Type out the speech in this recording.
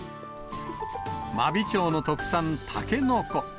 真備町の特産、タケノコ。